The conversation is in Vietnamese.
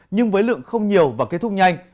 nhưng với lượng không nhiều và kết thúc nhanh